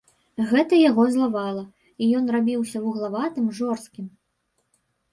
Гэта яго злавала, і ён рабіўся вуглаватым, жорсткім.